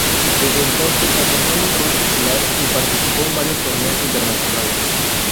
Desde entonces asumió un rol titular y participó en varios torneos internacionales.